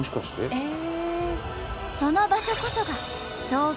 ええ！